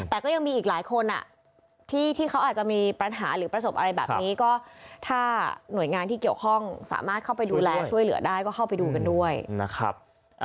แต่ก็ยังมีอีกหลายคนที่เขาอาจจะมีปัญหาหรือประสบอะไรแบบนี้ก็ถ้าหน่วยงานที่เกี่ยวข้องสามารถเข้าไปดูแลช่วยเหลือได้ก็เข้าไปดูกันด้วยนะครับ